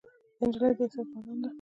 نجلۍ د احساس بادام ده.